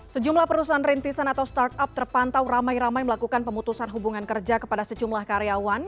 sejumlah perusahaan rintisan atau startup terpantau ramai ramai melakukan pemutusan hubungan kerja kepada sejumlah karyawan